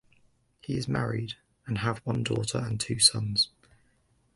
He is married and have one daughter and two sons.